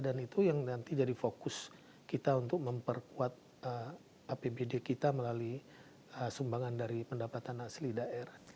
dan itu yang nanti jadi fokus kita untuk memperkuat apbd kita melalui sumbangan dari pendapatan asli daerah